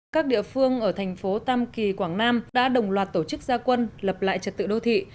các địa phương ở thành phố tam kỳ quảng nam đã đồng loạt tổ chức gia quân lập lại trật tự đô thị